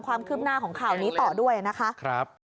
ความคืบหน้าของข่าวนี้ต่อด้วยนะคะ